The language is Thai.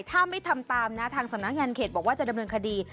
ถ้าไม่ทำตามนะทางสำนักงานเขตบอกว่าจะดำเนินคดี